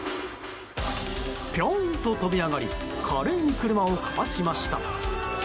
ピョーンと跳び上がり華麗に車をかわしました。